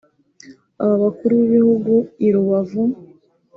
Aba bakuru b’ibihugu i Rubavu